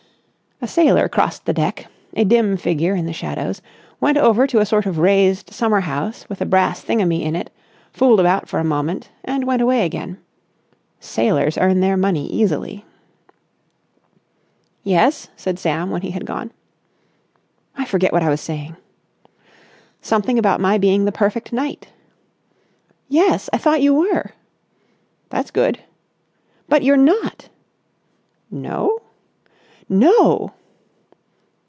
A sailor crossed the deck, a dim figure in the shadows, went over to a sort of raised summerhouse with a brass thingummy in it, fooled about for a moment, and went away again. Sailors earn their money easily. "Yes?" said Sam when he had gone. "I forget what I was saying." "Something about my being the perfect knight." "Yes. I thought you were." "That's good." "But you're not!" "No?" "No!"